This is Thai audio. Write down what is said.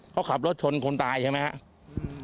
เขาขับรถชนคนตายใช่ไหมครับ